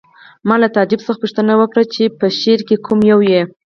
ما له تعجب څخه پوښتنه وکړه چې په شعر کې کوم یو یې